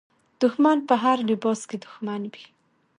دښمن په هر لباس کې دښمن وي.